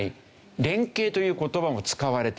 「連携」という言葉も使われていない。